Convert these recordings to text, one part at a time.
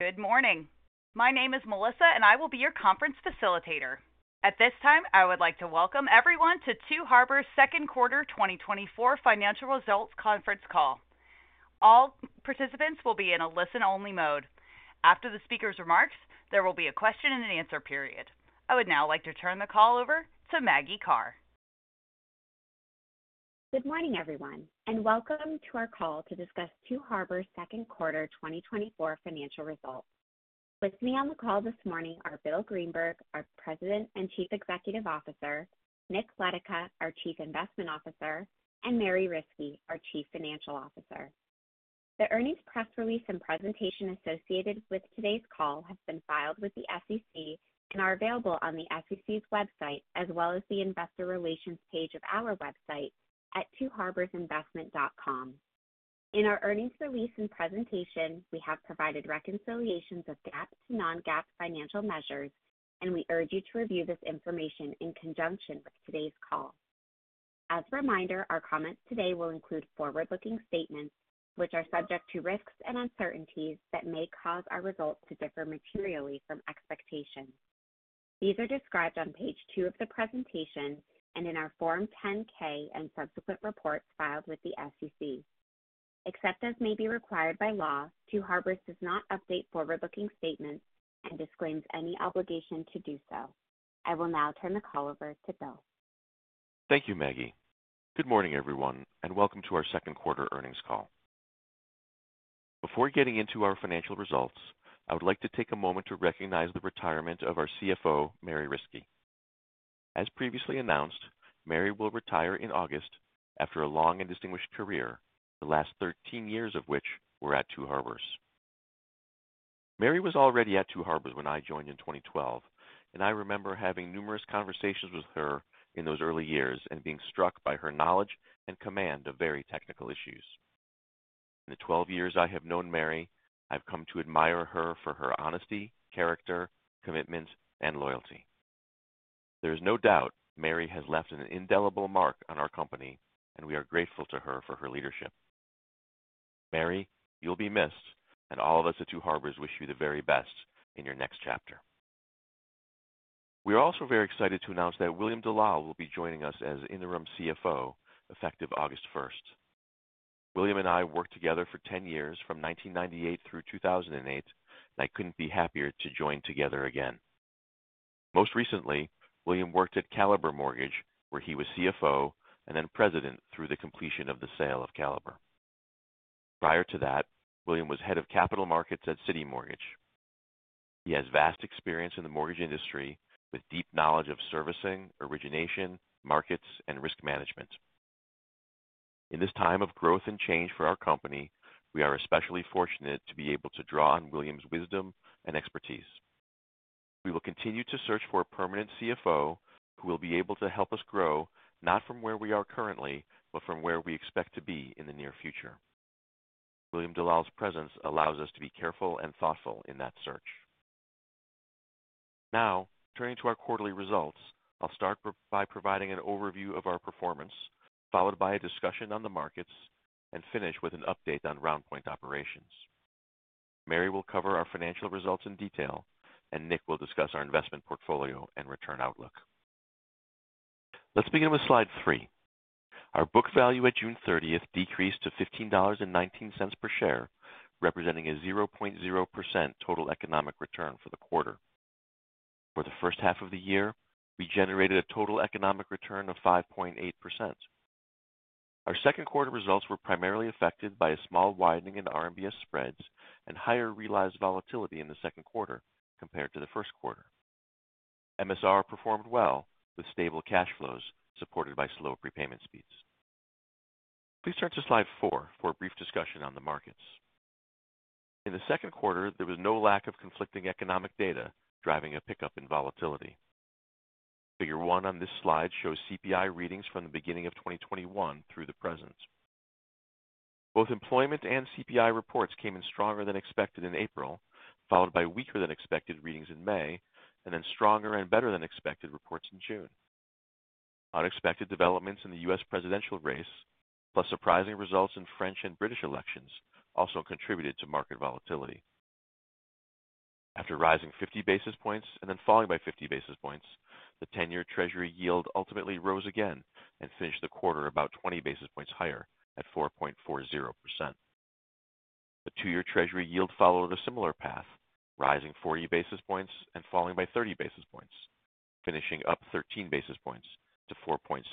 Good morning. My name is Melissa, and I will be your conference facilitator. At this time, I would like to welcome everyone to Two Harbors, Second Quarter 2024 Financial Results Conference Call. All participants will be in a listen-only mode. After the speaker's remarks, there will be a question-and-answer period. I would now like to turn the call over to Maggie Karr. Good morning, everyone, and welcome to our call to discuss Two Harbors Second Quarter 2024 Financial Results. With me on the call this morning are Bill Greenberg, our President and Chief Executive Officer, Nick Letica, our Chief Investment Officer, and Mary Riskey, our Chief Financial Officer. The earnings press release and presentation associated with today's call have been filed with the SEC and are available on the SEC's website as well as the investor relations page of our website at twoharborsinvestment.com. In our earnings release and presentation, we have provided reconciliations of GAAP-to-non-GAAP financial measures, and we urge you to review this information in conjunction with today's call. As a reminder, our comments today will include forward-looking statements, which are subject to risks and uncertainties that may cause our results to differ materially from expectations. These are described on page 2 of the presentation and in our Form 10-K and subsequent reports filed with the SEC. Except as may be required by law, Two Harbors does not update forward-looking statements and disclaims any obligation to do so. I will now turn the call over to Bill. Thank you, Maggie. Good morning, everyone, and welcome to our Second Quarter earnings call. Before getting into our financial results, I would like to take a moment to recognize the retirement of our CFO, Mary Riskey. As previously announced, Mary will retire in August after a long and distinguished career, the last 13 years of which were at Two Harbors. Mary was already at Two Harbors when I joined in 2012, and I remember having numerous conversations with her in those early years and being struck by her knowledge and command of very technical issues. In the 12 years I have known Mary, I've come to admire her for her honesty, character, commitment, and loyalty. There is no doubt Mary has left an indelible mark on our company, and we are grateful to her for her leadership. Mary, you'll be missed, and all of us at Two Harbors wish you the very best in your next chapter. We are also very excited to announce that William Dellal will be joining us as Interim CFO, effective August 1st. William and I worked together for 10 years, from 1998 through 2008, and I couldn't be happier to join together again. Most recently, William worked at Caliber Mortgage, where he was CFO and then President through the completion of the sale of Caliber. Prior to that, William was head of capital markets at Citi Mortgage. He has vast experience in the mortgage industry, with deep knowledge of servicing, origination, markets, and risk management. In this time of growth and change for our company, we are especially fortunate to be able to draw on William's wisdom and expertise. We will continue to search for a permanent CFO who will be able to help us grow not from where we are currently, but from where we expect to be in the near future. William Dellal's presence allows us to be careful and thoughtful in that search. Now, turning to our quarterly results, I'll start by providing an overview of our performance, followed by a discussion on the markets, and finish with an update on RoundPoint operations. Mary will cover our financial results in detail, and Nick will discuss our investment portfolio and return outlook. Let's begin with slide three. Our book value at June 30th decreased to $15.19 per share, representing a 0.0% total economic return for the quarter. For the first half of the year, we generated a total economic return of 5.8%. Our second quarter results were primarily affected by a small widening in RMBS spreads and higher realized volatility in the second quarter compared to the first quarter. MSR performed well, with stable cash flows supported by slow prepayment speeds. Please turn to slide four for a brief discussion on the markets. In the second quarter, there was no lack of conflicting economic data driving a pickup in volatility. Figure one on this slide shows CPI readings from the beginning of 2021 through the present. Both employment and CPI reports came in stronger than expected in April, followed by weaker-than-expected readings in May, and then stronger and better-than-expected reports in June. Unexpected developments in the U.S. presidential race, plus surprising results in French and British elections, also contributed to market volatility. After rising 50 basis points and then falling by 50 basis points, the 10-year Treasury yield ultimately rose again and finished the quarter about 20 basis points higher at 4.40%. The 2-year Treasury yield followed a similar path, rising 40 basis points and falling by 30 basis points, finishing up 13 basis points to 4.75%.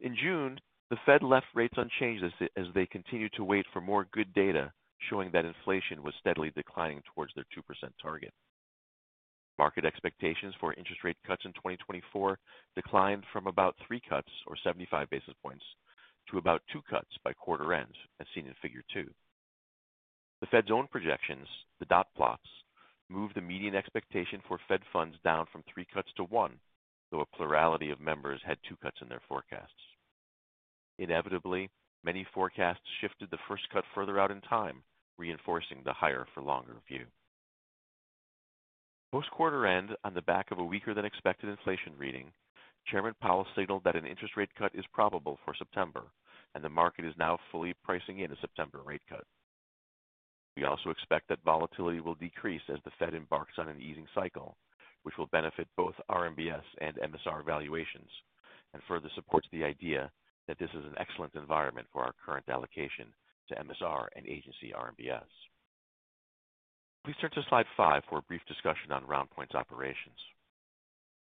In June, the Fed left rates unchanged as they continued to wait for more good data showing that inflation was steadily declining towards their 2% target. Market expectations for interest rate cuts in 2024 declined from about three cuts, or 75 basis points, to about two cuts by quarter end, as seen in figure two. The Fed's own projections, the dot plots, moved the median expectation for Fed funds down from three cuts to one, though a plurality of members had two cuts in their forecasts. Inevitably, many forecasts shifted the first cut further out in time, reinforcing the higher-for-longer view. Post-quarter end, on the back of a weaker-than-expected inflation reading, Chairman Powell signaled that an interest rate cut is probable for September, and the market is now fully pricing in a September rate cut. We also expect that volatility will decrease as the Fed embarks on an easing cycle, which will benefit both RMBS and MSR valuations and further supports the idea that this is an excellent environment for our current allocation to MSR and agency RMBS. Please turn to slide five for a brief discussion on RoundPoint's operations.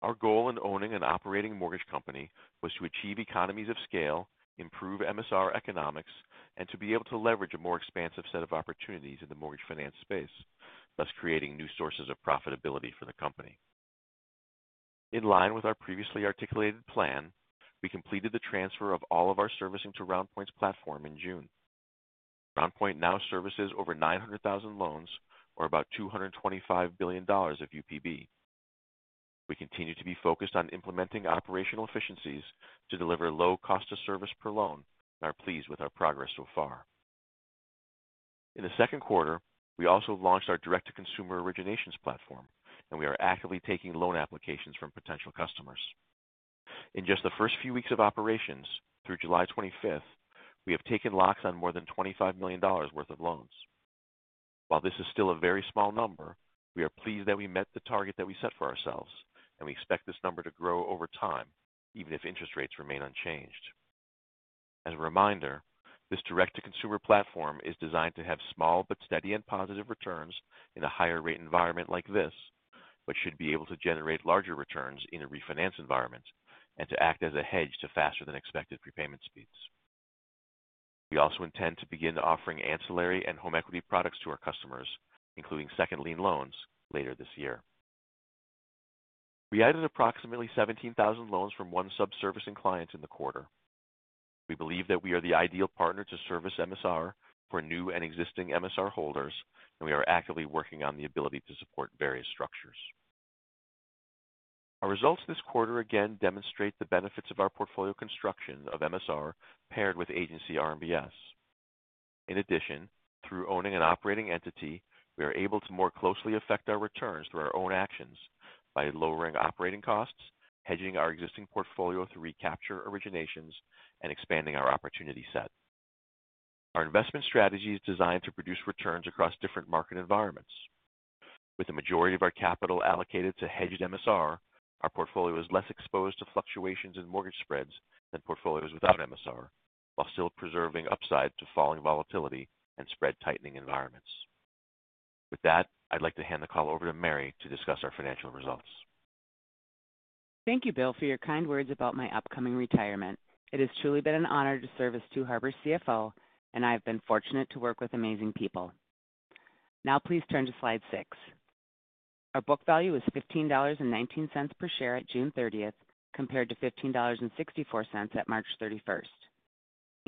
Our goal in owning and operating a mortgage company was to achieve economies of scale, improve MSR economics, and to be able to leverage a more expansive set of opportunities in the mortgage finance space, thus creating new sources of profitability for the company. In line with our previously articulated plan, we completed the transfer of all of our servicing to RoundPoint's platform in June. RoundPoint now services over 900,000 loans, or about $225 billion of UPB. We continue to be focused on implementing operational efficiencies to deliver low cost of service per loan and are pleased with our progress so far. In the second quarter, we also launched our direct-to-consumer originations platform, and we are actively taking loan applications from potential customers. In just the first few weeks of operations, through 25 July, we have taken locks on more than $25 million worth of loans. While this is still a very small number, we are pleased that we met the target that we set for ourselves, and we expect this number to grow over time, even if interest rates remain unchanged. As a reminder, this direct-to-consumer platform is designed to have small but steady and positive returns in a higher-rate environment like this, but should be able to generate larger returns in a refinance environment and to act as a hedge to faster-than-expected prepayment speeds. We also intend to begin offering ancillary and home equity products to our customers, including second-line loans, later this year. We added approximately 17,000 loans from one sub-servicing client in the quarter. We believe that we are the ideal partner to service MSR for new and existing MSR holders, and we are actively working on the ability to support various structures. Our results this quarter again demonstrate the benefits of our portfolio construction of MSR paired with agency RMBS. In addition, through owning an operating entity, we are able to more closely affect our returns through our own actions by lowering operating costs, hedging our existing portfolio through recapture originations, and expanding our opportunity set. Our investment strategy is designed to produce returns across different market environments. With the majority of our capital allocated to hedged MSR, our portfolio is less exposed to fluctuations in mortgage spreads than portfolios without MSR, while still preserving upside to falling volatility and spread-tightening environments. With that, I'd like to hand the call over to Mary to discuss our financial results. Thank you, Bill, for your kind words about my upcoming retirement. It has truly been an honor to serve as Two Harbors' CFO, and I have been fortunate to work with amazing people. Now, please turn to slide six. Our book value is $15.19 per share at June 30th, compared to $15.64 at 31 March.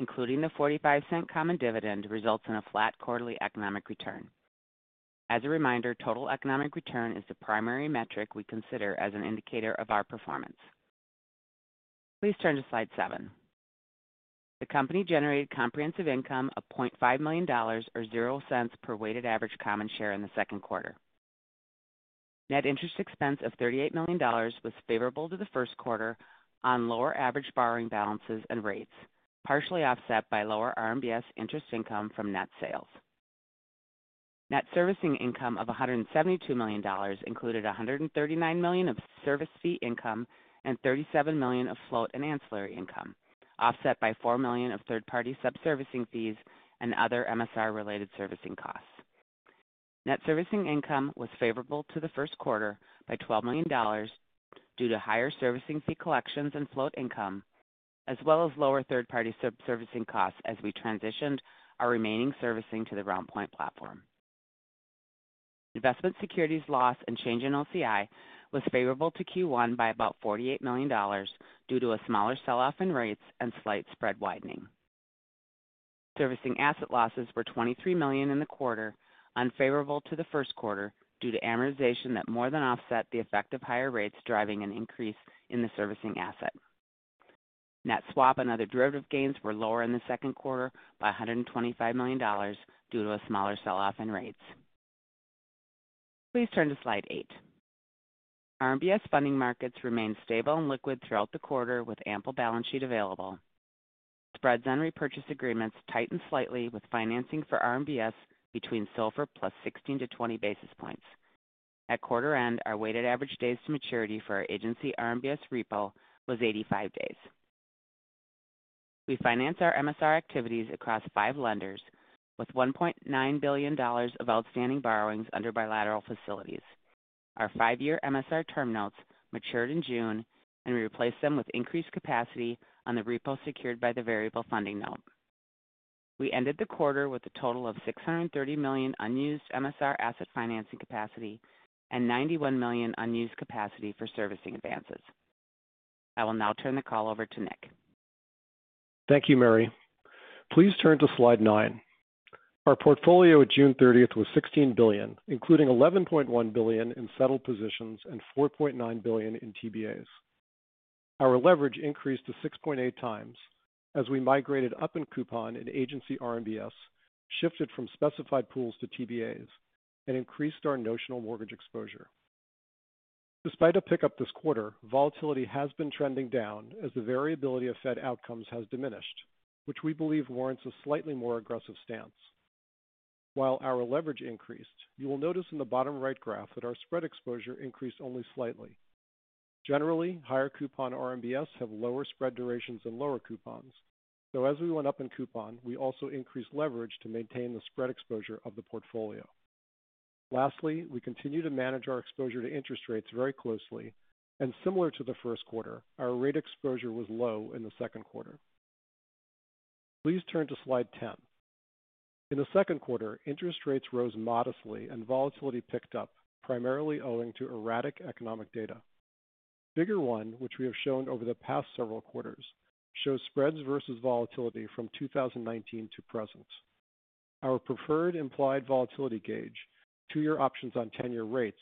Including the $0.45 common dividend results in a flat quarterly economic return. As a reminder, total economic return is the primary metric we consider as an indicator of our performance. Please turn to slide seven. The company generated comprehensive income of $0.5 million, or $0.00, per weighted average common share in the second quarter. Net interest expense of $38 million was favorable to the first quarter on lower average borrowing balances and rates, partially offset by lower RMBS interest income from net sales. Net servicing income of $172 million included $139 million of service fee income and $37 million of float and ancillary income, offset by $4 million of third-party sub-servicing fees and other MSR-related servicing costs. Net servicing income was favorable to the first quarter by $12 million due to higher servicing fee collections and float income, as well as lower third-party sub-servicing costs as we transitioned our remaining servicing to the RoundPoint platform. Investment securities loss and change in OCI was favorable to Q1 by about $48 million due to a smaller sell-off in rates and slight spread widening. Servicing asset losses were $23 million in the quarter, unfavorable to the first quarter due to amortization that more than offset the effect of higher rates driving an increase in the servicing asset. Net swap and other derivative gains were lower in the second quarter by $125 million due to a smaller sell-off in rates. Please turn to slide eight. RMBS funding markets remained stable and liquid throughout the quarter with ample balance sheet available. Spreads on repurchase agreements tightened slightly with financing for RMBS between SOFR +16-20 basis points. At quarter-end, our weighted average days to maturity for our agency RMBS repo was 85 days. We financed our MSR activities across five lenders with $1.9 billion of outstanding borrowings under bilateral facilities. Our 5-year MSR term notes matured in June, and we replaced them with increased capacity on the repo secured by the variable funding note. We ended the quarter with a total of $630 million unused MSR asset financing capacity and $91 million unused capacity for servicing advances. I will now turn the call over to Nick. Thank you, Mary. Please turn to slide nine. Our portfolio at June 30th was $16 billion, including $11.1 billion in settled positions and $4.9 billion in TBAs. Our leverage increased to 6.8x as we migrated up in coupon in Agency RMBS, shifted from Specified Pools to TBAs, and increased our notional mortgage exposure. Despite a pickup this quarter, volatility has been trending down as the variability of Fed outcomes has diminished, which we believe warrants a slightly more aggressive stance. While our leverage increased, you will notice in the bottom right graph that our spread exposure increased only slightly. Generally, higher coupon RMBS have lower spread durations and lower coupons, though as we went up in coupon, we also increased leverage to maintain the spread exposure of the portfolio. Lastly, we continue to manage our exposure to interest rates very closely, and similar to the first quarter, our rate exposure was low in the second quarter. Please turn to slide 10. In the second quarter, interest rates rose modestly and volatility picked up, primarily owing to erratic economic data. Figure one, which we have shown over the past several quarters, shows spreads versus volatility from 2019 to present. Our preferred implied volatility gauge, two-year options on 10-year rates,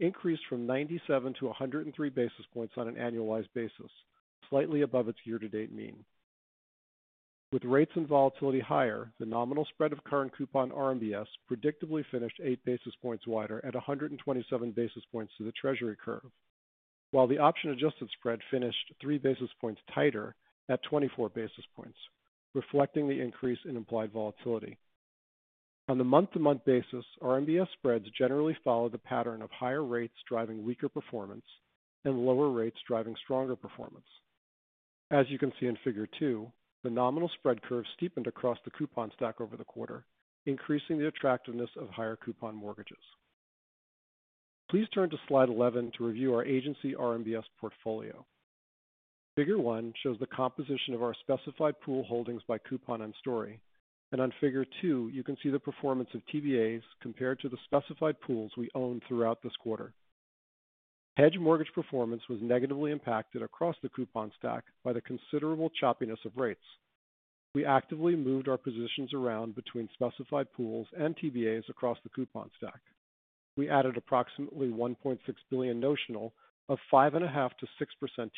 increased from 97 to 103 basis points on an annualized basis, slightly above its year-to-date mean. With rates and volatility higher, the nominal spread of current coupon RMBS predictably finished 8 basis points wider at 127 basis points to the Treasury curve, while the option-adjusted spread finished 3 basis points tighter at 24 basis points, reflecting the increase in implied volatility. On the month-to-month basis, RMBS spreads generally follow the pattern of higher rates driving weaker performance and lower rates driving stronger performance. As you can see in Figure 2, the nominal spread curve steepened across the coupon stack over the quarter, increasing the attractiveness of higher coupon mortgages. Please turn to slide 11 to review our agency RMBS portfolio. Figure 1 shows the composition of our specified pool holdings by coupon and story, and on Figure 2, you can see the performance of TBAs compared to the specified pools we owned throughout this quarter. Hedged mortgage performance was negatively impacted across the coupon stack by the considerable choppiness of rates. We actively moved our positions around between specified pools and TBAs across the coupon stack. We added approximately $1.6 billion notional of 5.5%-6%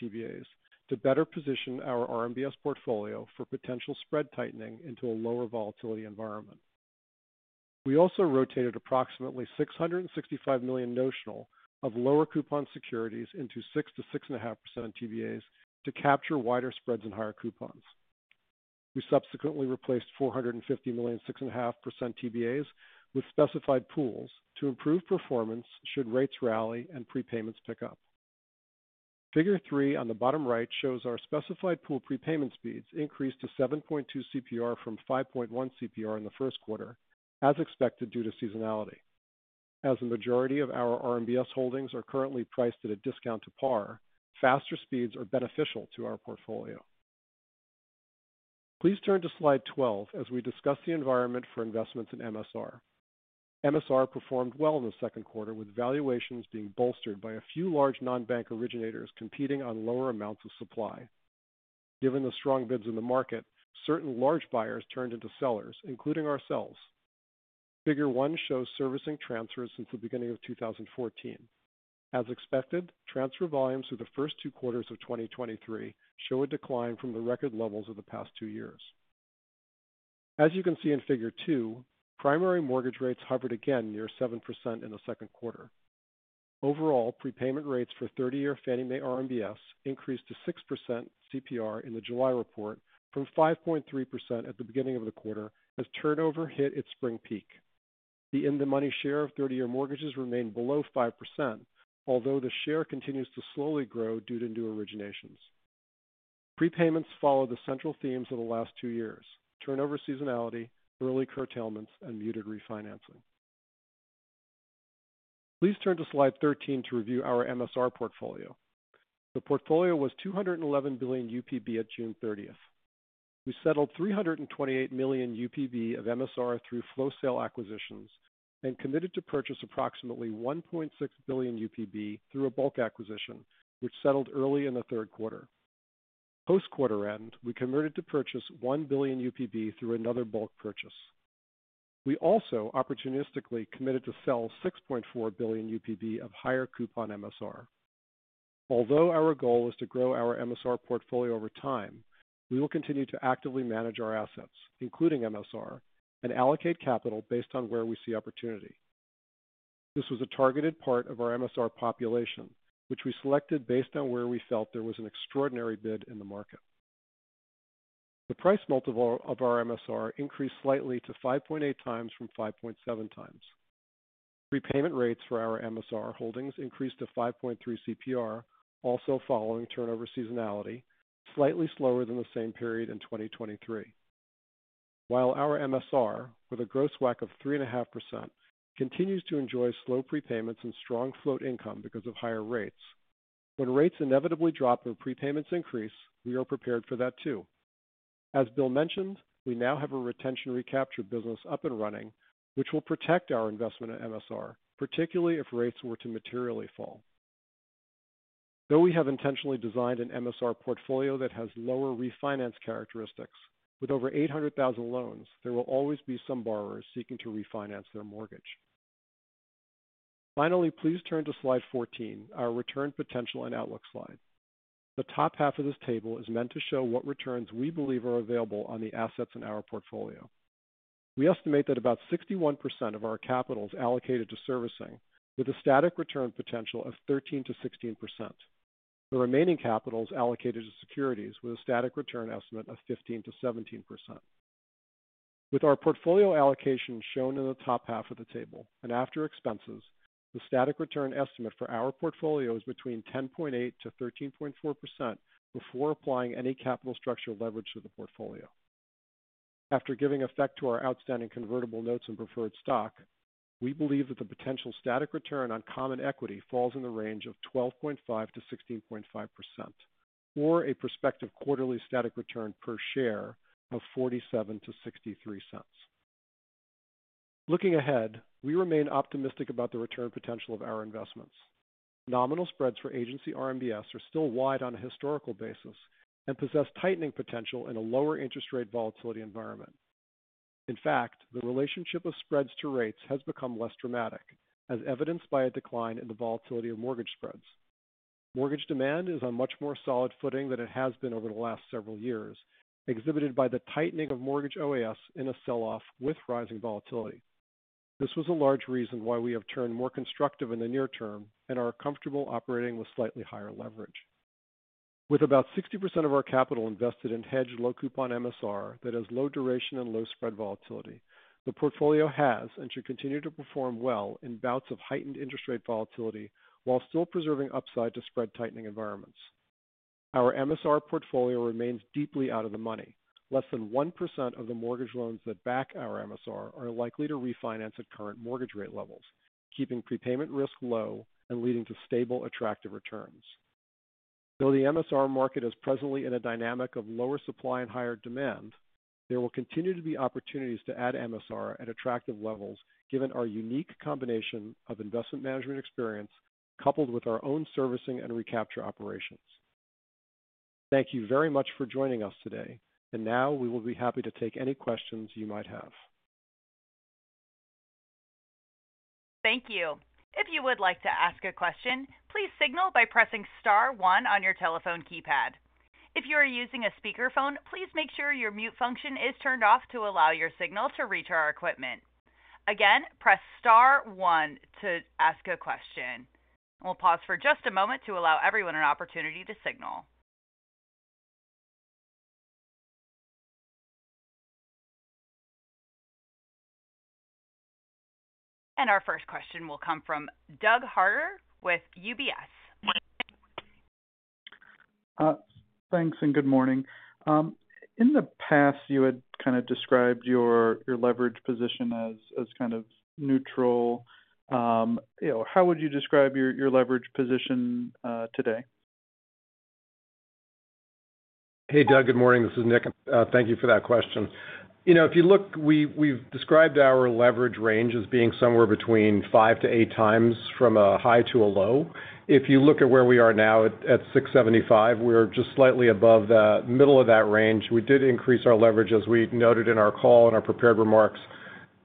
TBAs to better position our RMBS portfolio for potential spread tightening into a lower volatility environment. We also rotated approximately $665 million notional of lower coupon securities into 6%-6.5% TBAs to capture wider spreads and higher coupons. We subsequently replaced $450 million 6.5% TBAs with specified pools to improve performance should rates rally and prepayments pick up. Figure 3 on the bottom right shows our specified pool prepayment speeds increased to 7.2 CPR from 5.1 CPR in the first quarter, as expected due to seasonality. As the majority of our RMBS holdings are currently priced at a discount to par, faster speeds are beneficial to our portfolio. Please turn to slide 12 as we discuss the environment for investments in MSR. MSR performed well in the second quarter, with valuations being bolstered by a few large non-bank originators competing on lower amounts of supply. Given the strong bids in the market, certain large buyers turned into sellers, including ourselves. Figure 1 shows servicing transfers since the beginning of 2014. As expected, transfer volumes through the first two quarters of 2023 show a decline from the record levels of the past two years. As you can see in Figure 2, primary mortgage rates hovered again near 7% in the second quarter. Overall, prepayment rates for 30-year Fannie Mae RMBS increased to 6% CPR in the July report from 5.3% at the beginning of the quarter as turnover hit its spring peak. The in-the-money share of 30-year mortgages remained below 5%, although the share continues to slowly grow due to new originations. Prepayments follow the central themes of the last two years: turnover seasonality, early curtailments, and muted refinancing. Please turn to slide 13 to review our MSR portfolio. The portfolio was $211 billion UPB at June 30th. We settled $328 million UPB of MSR through flow sale acquisitions and committed to purchase approximately $1.6 billion UPB through a bulk acquisition, which settled early in the third quarter. Post-quarter end, we committed to purchase $1 billion UPB through another bulk purchase. We also opportunistically committed to sell $6.4 billion UPB of higher coupon MSR. Although our goal is to grow our MSR portfolio over time, we will continue to actively manage our assets, including MSR, and allocate capital based on where we see opportunity. This was a targeted part of our MSR population, which we selected based on where we felt there was an extraordinary bid in the market. The price multiple of our MSR increased slightly to 5.8x from 5.7x. Prepayment rates for our MSR holdings increased to 5.3 CPR, also following turnover seasonality, slightly slower than the same period in 2023. While our MSR, with a gross WAC of 3.5%, continues to enjoy slow prepayments and strong float income because of higher rates, when rates inevitably drop and prepayments increase, we are prepared for that too. As Bill mentioned, we now have a retention recapture business up and running, which will protect our investment in MSR, particularly if rates were to materially fall. Though we have intentionally designed an MSR portfolio that has lower refinance characteristics, with over 800,000 loans, there will always be some borrowers seeking to refinance their mortgage. Finally, please turn to slide 14, our return potential and outlook slide. The top half of this table is meant to show what returns we believe are available on the assets in our portfolio. We estimate that about 61% of our capital is allocated to servicing, with a static return potential of 13%-16%. The remaining capital is allocated to securities, with a static return estimate of 15%-17%. With our portfolio allocation shown in the top half of the table and after expenses, the static return estimate for our portfolio is between 10.8%-13.4% before applying any capital structure leverage to the portfolio. After giving effect to our outstanding convertible notes and preferred stock, we believe that the potential static return on common equity falls in the range of 12.5%-16.5%, or a prospective quarterly static return per share of $0.47-$0.63. Looking ahead, we remain optimistic about the return potential of our investments. Nominal spreads for agency RMBS are still wide on a historical basis and possess tightening potential in a lower interest rate volatility environment. In fact, the relationship of spreads to rates has become less dramatic, as evidenced by a decline in the volatility of mortgage spreads. Mortgage demand is on much more solid footing than it has been over the last several years, exhibited by the tightening of mortgage OAS in a sell-off with rising volatility. This was a large reason why we have turned more constructive in the near term and are comfortable operating with slightly higher leverage. With about 60% of our capital invested in hedged low coupon MSR that has low duration and low spread volatility, the portfolio has and should continue to perform well in bouts of heightened interest rate volatility while still preserving upside to spread tightening environments. Our MSR portfolio remains deeply out of the money. Less than 1% of the mortgage loans that back our MSR are likely to refinance at current mortgage rate levels, keeping prepayment risk low and leading to stable, attractive returns. Though the MSR market is presently in a dynamic of lower supply and higher demand, there will continue to be opportunities to add MSR at attractive levels given our unique combination of investment management experience coupled with our own servicing and recapture operations. Thank you very much for joining us today, and now we will be happy to take any questions you might have. Thank you. If you would like to ask a question, please signal by pressing star one on your telephone keypad. If you are using a speakerphone, please make sure your mute function is turned off to allow your signal to reach our equipment. Again, press star one to ask a question. We'll pause for just a moment to allow everyone an opportunity to signal. And our first question will come from Doug Harter with UBS. Thanks and good morning. In the past, you had kind of described your leverage position as kind of neutral. How would you describe your leverage position today? Hey, Doug, good morning. This is Nick. Thank you for that question. If you look, we've described our leverage range as being somewhere between 5-8 times from a high to a low. If you look at where we are now at 675, we're just slightly above the middle of that range. We did increase our leverage, as we noted in our call and our prepared remarks,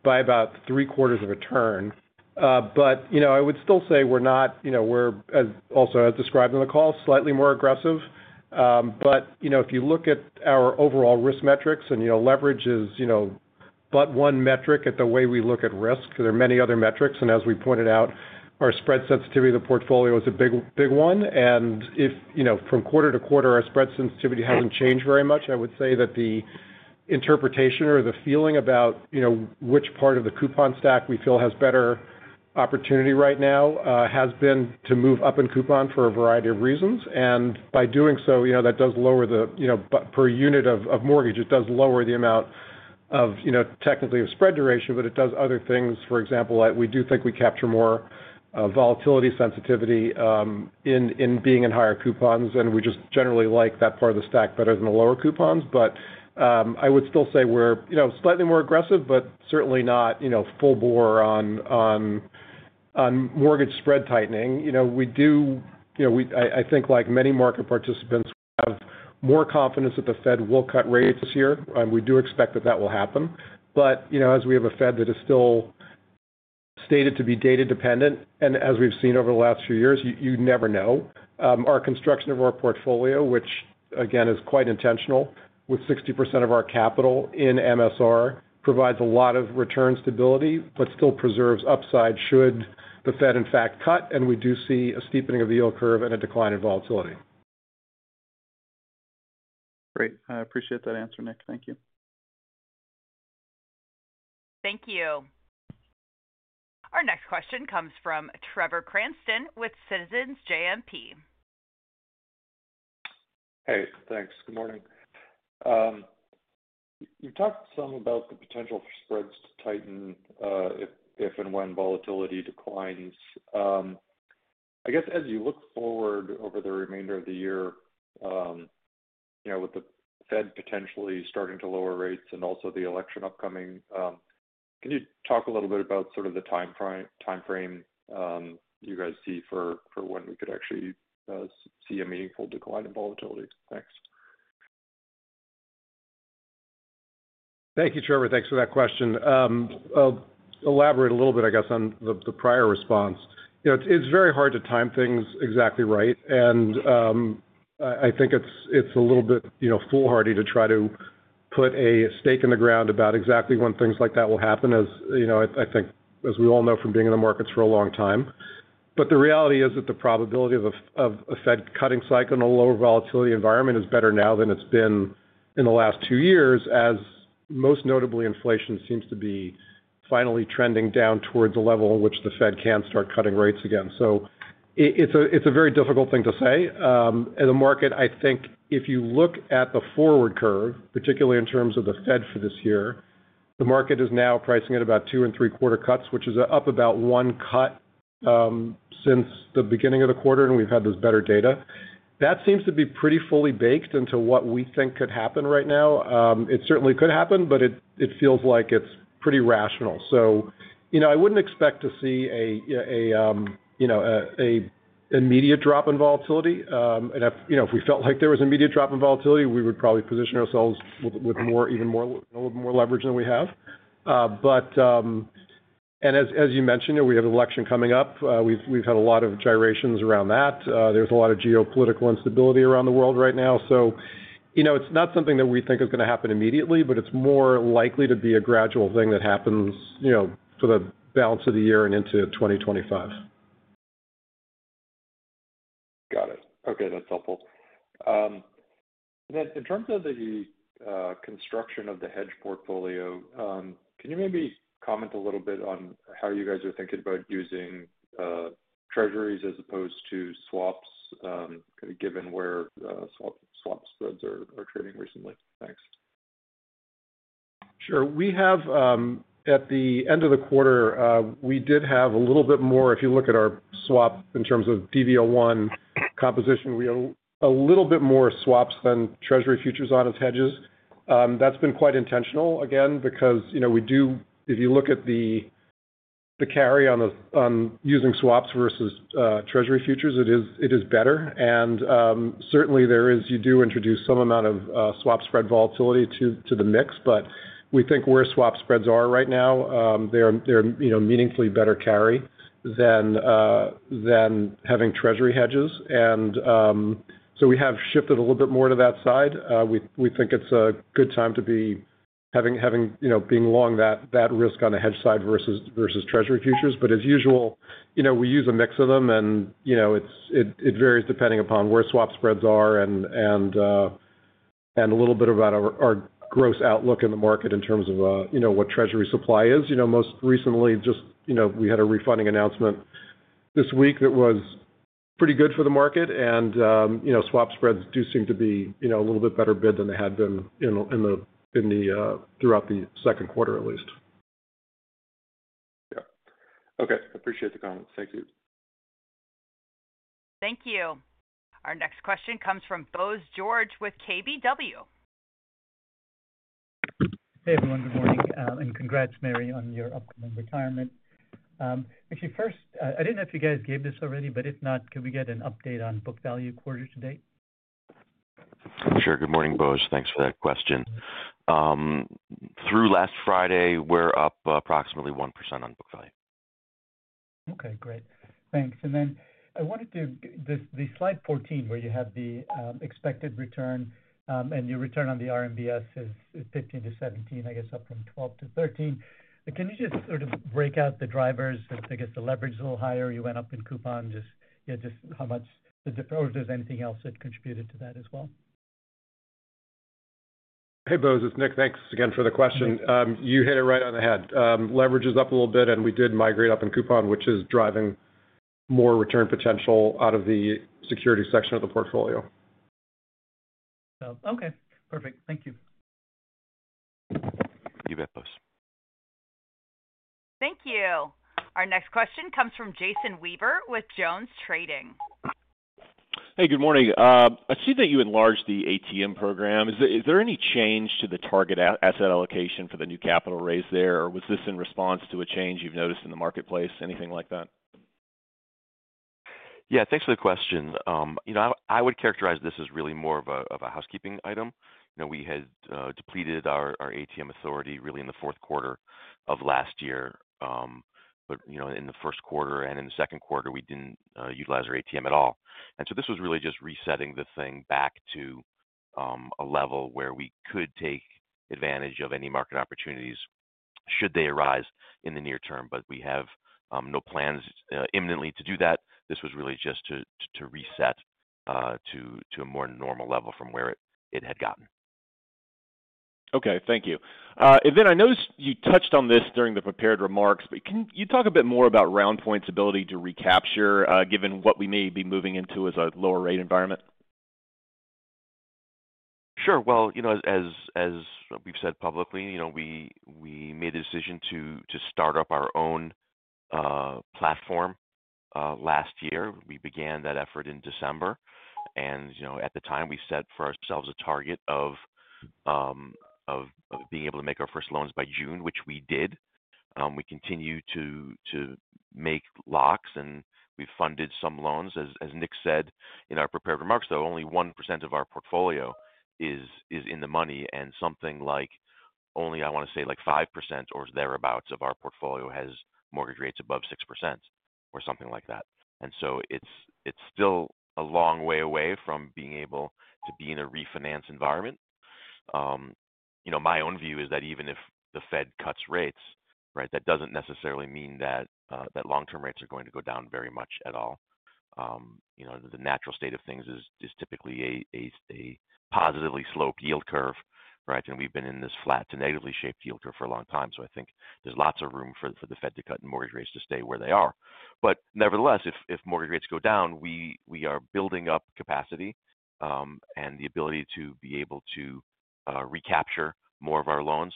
by about three quarters of a turn. But I would still say we're not, as also described in the call, slightly more aggressive. But if you look at our overall risk metrics and leverage is but one metric at the way we look at risk, there are many other metrics. And as we pointed out, our spread sensitivity of the portfolio is a big one. And from quarter to quarter, our spread sensitivity hasn't changed very much. I would say that the interpretation or the feeling about which part of the coupon stack we feel has better opportunity right now has been to move up in coupon for a variety of reasons. And by doing so, that does lower the per unit of mortgage, it does lower the amount of technically of spread duration, but it does other things. For example, we do think we capture more volatility sensitivity in being in higher coupons, and we just generally like that part of the stack better than the lower coupons. But I would still say we're slightly more aggressive, but certainly not full bore on mortgage spread tightening. We do, I think like many market participants, have more confidence that the Fed will cut rates this year, and we do expect that that will happen. But as we have a Fed that is still stated to be data dependent, and as we've seen over the last few years, you never know, our construction of our portfolio, which again is quite intentional with 60% of our capital in MSR, provides a lot of return stability, but still preserves upside should the Fed, in fact, cut, and we do see a steepening of the yield curve and a decline in volatility. Great. I appreciate that answer, Nick. Thank you. Thank you. Our next question comes from Trevor Cranston with Citizens JMP. Hey, thanks. Good morning. You talked some about the potential for spreads to tighten if and when volatility declines. I guess as you look forward over the remainder of the year with the Fed potentially starting to lower rates and also the election upcoming, can you talk a little bit about sort of the timeframe you guys see for when we could actually see a meaningful decline in volatility? Thanks. Thank you, Trevor. Thanks for that question. I'll elaborate a little bit, I guess, on the prior response. It's very hard to time things exactly right, and I think it's a little bit foolhardy to try to put a stake in the ground about exactly when things like that will happen, as I think, as we all know from being in the markets for a long time. But the reality is that the probability of a Fed cutting cycle in a lower volatility environment is better now than it's been in the last two years, as most notably, inflation seems to be finally trending down towards a level in which the Fed can start cutting rates again. So it's a very difficult thing to say. The market, I think, if you look at the forward curve, particularly in terms of the Fed for this year, the market is now pricing at about 2.75 cuts, which is up about 1 cut since the beginning of the quarter, and we've had this better data. That seems to be pretty fully baked into what we think could happen right now. It certainly could happen, but it feels like it's pretty rational. So I wouldn't expect to see an immediate drop in volatility. If we felt like there was an immediate drop in volatility, we would probably position ourselves with even a little more leverage than we have. And as you mentioned, we have an election coming up. We've had a lot of gyrations around that. There's a lot of geopolitical instability around the world right now. So it's not something that we think is going to happen immediately, but it's more likely to be a gradual thing that happens for the balance of the year and into 2025. Got it. Okay, that's helpful. Then in terms of the construction of the hedge portfolio, can you maybe comment a little bit on how you guys are thinking about using treasuries as opposed to swaps, given where swap spreads are trading recently? Thanks. Sure. At the end of the quarter, we did have a little bit more, if you look at our swap in terms of DV01 composition, we have a little bit more swaps than treasury futures on as hedges. That's been quite intentional, again, because we do, if you look at the carry on using swaps versus treasury futures, it is better. And certainly, you do introduce some amount of swap spread volatility to the mix, but we think where swap spreads are right now, they're a meaningfully better carry than having treasury hedges. And so we have shifted a little bit more to that side. We think it's a good time to be having long that risk on the hedge side versus treasury futures. But as usual, we use a mix of them, and it varies depending upon where swap spreads are and a little bit about our gross outlook in the market in terms of what treasury supply is. Most recently, just we had a refunding announcement this week that was pretty good for the market, and swap spreads do seem to be a little bit better bid than they had been throughout the second quarter, at least. Yeah. Okay. Appreciate the comments. Thank you. Thank you. Our next question comes from Bose George with KBW. Hey, everyone. Good morning, and congrats, Mary, on your upcoming retirement. If you first, I didn't know if you guys gave this already, but if not, could we get an update on book value quarter to date? Sure. Good morning, Bose. Thanks for that question. Through last Friday, we're up approximately 1% on book value. Okay, great. Thanks. Then I wanted to, the slide 14 where you have the expected return and your return on the RMBS is 15%-17%, I guess up from 12%-13%. Can you just sort of break out the drivers? I guess the leverage is a little higher. You went up in coupon. Just how much or if there's anything else that contributed to that as well? Hey, Bose. It's Nick. Thanks again for the question. You hit it right on the head. Leverage is up a little bit, and we did migrate up in coupon, which is driving more return potential out of the security section of the portfolio. Okay. Perfect. Thank you. You bet, Bose. Thank you. Our next question comes from Jason Weaver with JonesTrading. Hey, good morning. I see that you enlarged the ATM program. Is there any change to the target asset allocation for the new capital raise there, or was this in response to a change you've noticed in the marketplace? Anything like that? Yeah, thanks for the question. I would characterize this as really more of a housekeeping item. We had depleted our ATM authority really in the fourth quarter of last year. But in the first quarter and in the second quarter, we didn't utilize our ATM at all. And so this was really just resetting the thing back to a level where we could take advantage of any market opportunities should they arise in the near term. But we have no plans imminently to do that. This was really just to reset to a more normal level from where it had gotten. Okay, thank you. I noticed you touched on this during the prepared remarks, but can you talk a bit more about RoundPoint's ability to recapture given what we may be moving into as a lower rate environment? Sure. Well, as we've said publicly, we made a decision to start up our own platform last year. We began that effort in December. At the time, we set for ourselves a target of being able to make our first loans by June, which we did. We continue to make locks, and we've funded some loans. As Nick said in our prepared remarks, though, only 1% of our portfolio is in the money, and something like only, I want to say, like 5% or thereabouts of our portfolio has mortgage rates above 6% or something like that. So it's still a long way away from being able to be in a refinance environment. My own view is that even if the Fed cuts rates, that doesn't necessarily mean that long-term rates are going to go down very much at all. The natural state of things is typically a positively sloped yield curve, and we've been in this flat to negatively shaped yield curve for a long time. So I think there's lots of room for the Fed to cut in mortgage rates to stay where they are. But nevertheless, if mortgage rates go down, we are building up capacity and the ability to be able to recapture more of our loans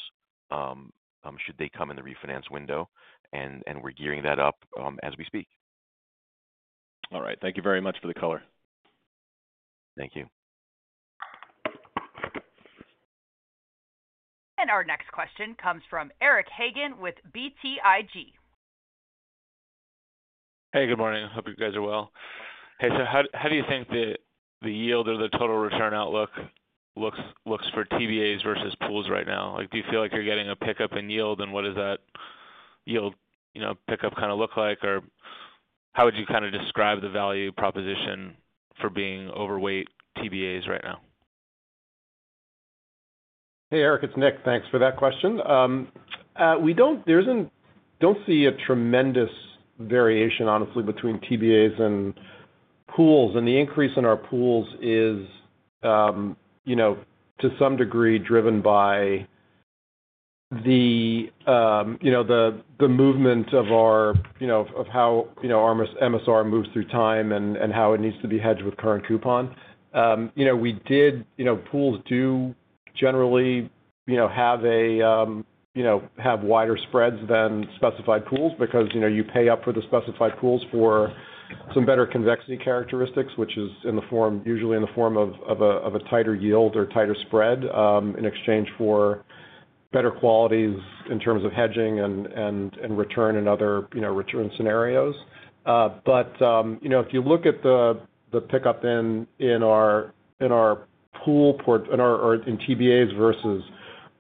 should they come in the refinance window. And we're gearing that up as we speak. All right. Thank you very much for the color. Thank you. Our next question comes from Eric Hagen with BTIG. Hey, good morning. Hope you guys are well. Hey, so how do you think the yield or the total return outlook looks for TBAs versus pools right now? Do you feel like you're getting a pickup in yield, and what does that yield pickup kind of look like, or how would you kind of describe the value proposition for being overweight TBAs right now? Hey, Eric, it's Nick. Thanks for that question. We don't see a tremendous variation, honestly, between TBAs and pools. And the increase in our pools is, to some degree, driven by the movement out of how our MSR moves through time and how it needs to be hedged with current coupon. Pools do generally have wider spreads than specified pools because you pay up for the specified pools for some better convexity characteristics, which is usually in the form of a tighter yield or tighter spread in exchange for better qualities in terms of hedging and return and other return scenarios. But if you look at the pickup in our portfolio in TBAs versus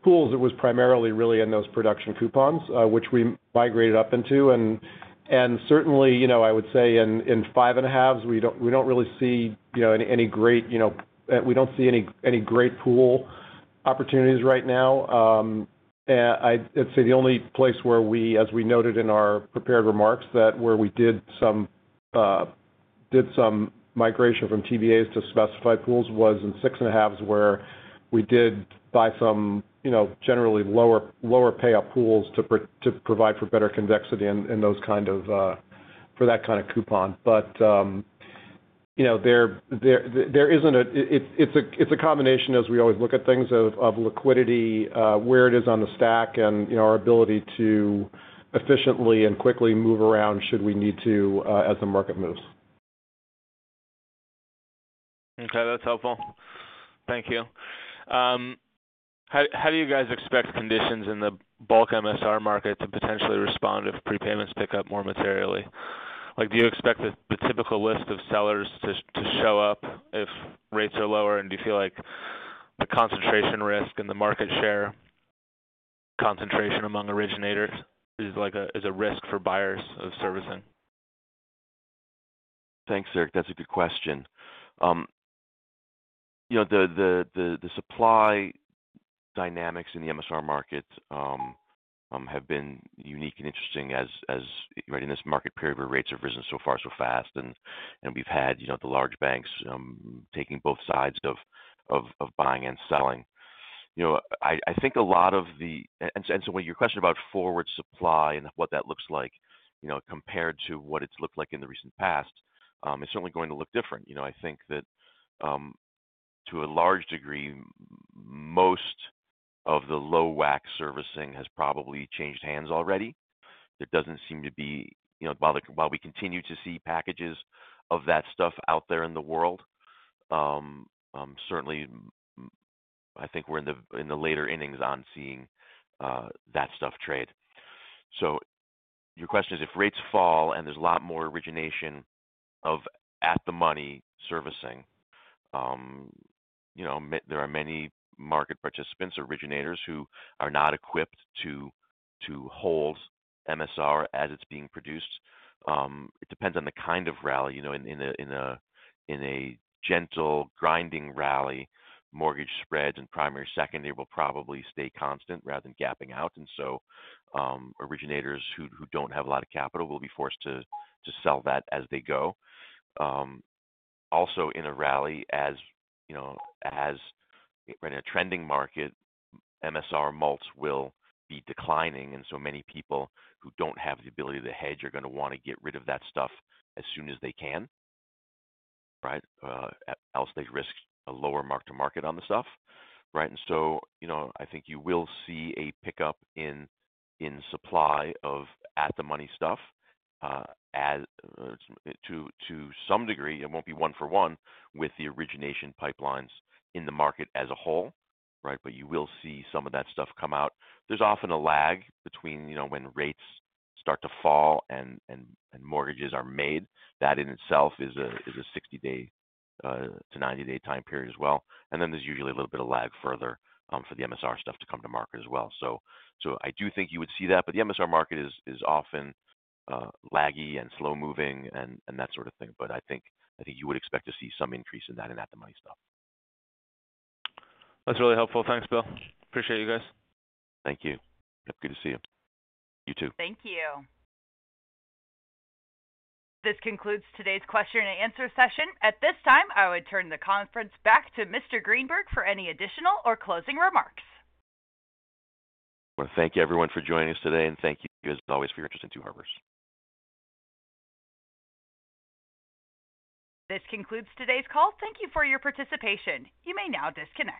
pools, it was primarily really in those production coupons, which we migrated up into. Certainly, I would say in 5.5s, we don't see any great pool opportunities right now. I'd say the only place where we, as we noted in our prepared remarks, where we did some migration from TBAs to specified pools was in 6.5s where we did buy some generally lower payout pools to provide for better convexity in those kind of for that kind of coupon. But there isn't. It's a combination, as we always look at things, of liquidity, where it is on the stack, and our ability to efficiently and quickly move around should we need to as the market moves. Okay, that's helpful. Thank you. How do you guys expect conditions in the bulk MSR market to potentially respond if prepayments pick up more materially? Do you expect the typical list of sellers to show up if rates are lower, and do you feel like the concentration risk and the market share concentration among originators is a risk for buyers of servicing? Thanks, Eric. That's a good question. The supply dynamics in the MSR market have been unique and interesting as in this market period where rates have risen so far, so fast, and we've had the large banks taking both sides of buying and selling. I think a lot of the and so when your question about forward supply and what that looks like compared to what it's looked like in the recent past, it's certainly going to look different. I think that to a large degree, most of the low WAC servicing has probably changed hands already. There doesn't seem to be while we continue to see packages of that stuff out there in the world, certainly, I think we're in the later innings on seeing that stuff trade. So your question is, if rates fall and there's a lot more origination of at-the-money servicing, there are many market participants or originators who are not equipped to hold MSR as it's being produced. It depends on the kind of rally. In a gentle, grinding rally, mortgage spreads and primary secondary will probably stay constant rather than gapping out. And so originators who don't have a lot of capital will be forced to sell that as they go. Also, in a rally as in a trending market, MSR values will be declining, and so many people who don't have the ability to hedge are going to want to get rid of that stuff as soon as they can, right? Else they risk a lower mark-to-market on the stuff, right? And so I think you will see a pickup in supply of at-the-money stuff to some degree. It won't be one for one with the origination pipelines in the market as a whole, right? But you will see some of that stuff come out. There's often a lag between when rates start to fall and mortgages are made. That in itself is a 60- to 90-day time period as well. And then there's usually a little bit of lag further for the MSR stuff to come to market as well. So I do think you would see that, but the MSR market is often laggy and slow-moving and that sort of thing. But I think you would expect to see some increase in that and at-the-market stuff. That's really helpful. Thanks, Bill. Appreciate you guys. Thank you. Good to see you. You too. Thank you. This concludes today's question and answer session. At this time, I would turn the conference back to Mr. Greenberg for any additional or closing remarks. Well, thank you, everyone, for joining us today, and thank you as always for your interest in Two Harbors. This concludes today's call. Thank you for your participation. You may now disconnect.